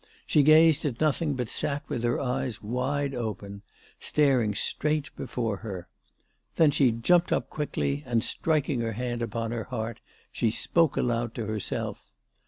She gazed at nothing, but sat with her eyes wide open, staring straight before her. Then she jumped up quickly, and striking her hand upon her heart, she spoke aloud to herself.